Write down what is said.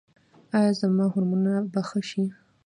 ایا زما هورمونونه به ښه شي؟